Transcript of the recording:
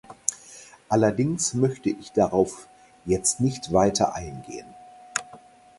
Allerdings möchte ich darauf jetzt nicht weiter eingehen.